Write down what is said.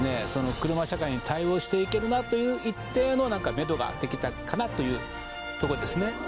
車社会に対応していけるなという一定のめどができたかなというとこですね